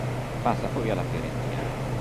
Passa poi alla Fiorentina.